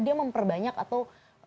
dia memperbanyak atau